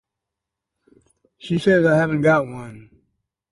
She says I haven't got one.